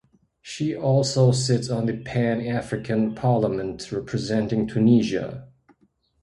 She also sits on the Pan-African Parliament representing Tunisia.